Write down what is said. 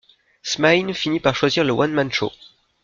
Smaïn finit par choisir le one-man-show.